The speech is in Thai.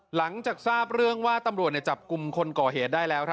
หลังจากทราบเรื่องว่าตำรวจจับกลุ่มคนก่อเหตุได้แล้ว